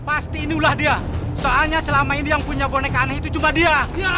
pasti inilah dia soalnya selama ini yang punya boneka aneh itu cuma dia